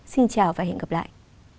xin chào và hẹn gặp lại